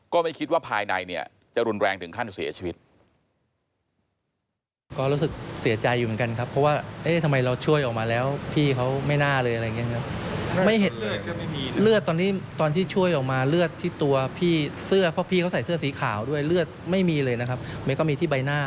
ก็ไม่คิดว่าภายในเนี่ยจะรุนแรงถึงขั้นเสียชีวิต